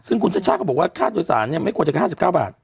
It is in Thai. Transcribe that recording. ซึ่งคุณชัชชาก็บอกค่าโดยสารไม่กว่าจาก๕๙บาท